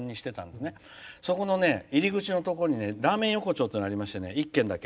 そこの入り口のところにラーメン横丁っていうのがありまして、１軒だけ。